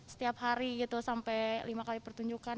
setiap hari gitu sampai lima kali pertunjukan